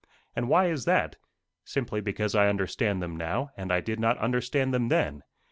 And why is that? Simply because I understand them now, and I did not understand them then.